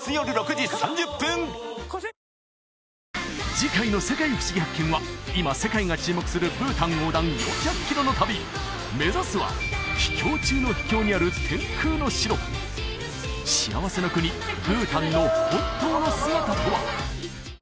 次回の「世界ふしぎ発見！」は今世界が注目するブータン横断４００キロの旅目指すは秘境中の秘境にある天空の城幸せの国ブータンの本当の姿とは？